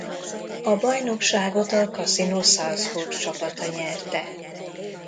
A bajnokságot a Casino Salzburg csapata nyerte.